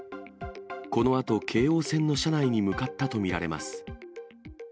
このあと京王線の車内に向かったと見られます。